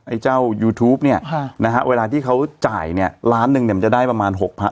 ไอ้เจ้ายูทูปเนี่ยนะฮะเวลาที่เขาจ่ายเนี่ยล้านหนึ่งเนี่ยมันจะได้ประมาณหกพัน